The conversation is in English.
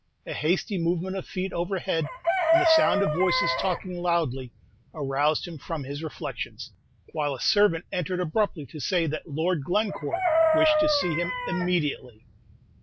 A hasty movement of feet overhead, and the sound of voices talking loudly, aroused him from his reflections, while a servant entered abruptly to say that Lord Glencore wished to see him immediately.